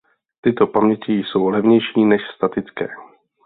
Tyto paměti jsou levnější než statické.